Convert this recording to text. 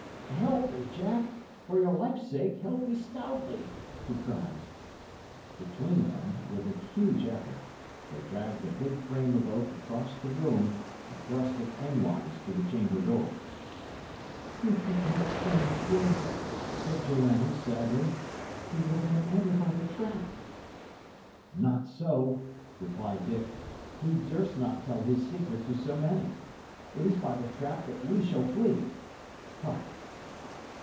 "Help me, Jack. For your life's sake, help me stoutly!" he cried. Between them, with a huge effort, they dragged the big frame of oak across the room, and thrust it endwise to the chamber door. "Ye do but make things worse," said Joanna, sadly. "He will then enter by the trap." "Not so," replied Dick. "He durst not tell his secret to so many. It is by the trap that we shall flee. Hark!